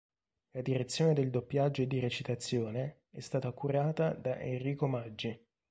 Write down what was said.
La direzione del doppiaggio e di recitazione è stata curata da Enrico Maggi.